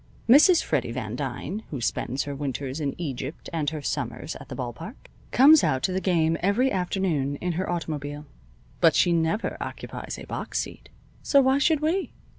Mrs. Freddy Van Dyne, who spends her winters in Egypt and her summers at the ball park, comes out to the game every afternoon in her automobile, but she never occupies a box seat; so why should we?